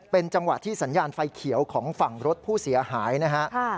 เป็นจังหวะที่สัญญาณไฟเขียวของฝั่งรถผู้เสียหายนะฮะ